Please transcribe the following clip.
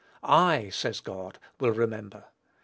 "I," says God, "will remember."